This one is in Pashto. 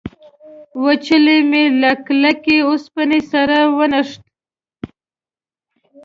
وچولی مې له کلکې اوسپنې سره ونښت.